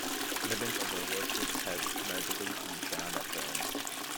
Evidence of her worship has notably been found at Bern.